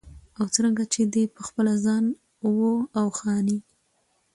او څرنګه چې دى پخپله خان و او خاني